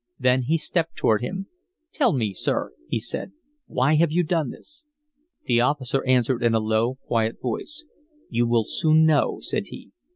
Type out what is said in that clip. Then he stepped toward him. "Tell me, sir," he said. "Why have you done this?" The officer answered in a low, quiet voice: "You will soon know," said he.